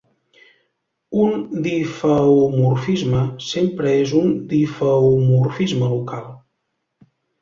Un difeomorfisme sempre és un difeomorfisme local.